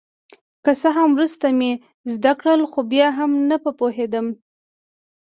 که څه هم وروسته مې زده کړل خو بیا هم نه په پوهېدم.